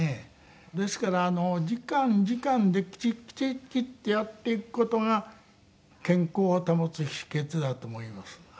ですから時間時間できちっきちっきちってやっていく事が健康を保つ秘訣だと思います。